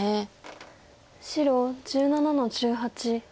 白１７の十八。